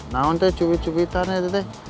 namun teh cubit cubitan ya tuh teh